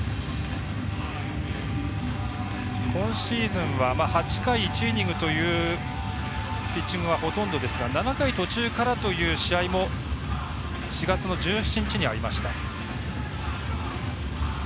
今シーズンは８回１イニングというピッチングはほとんどですが７回途中からという試合も４月の１７日にありました。